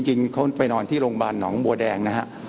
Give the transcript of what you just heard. จริงเขาไปนอนที่โรงพยาบาลหนองบัวแดงนะฮะ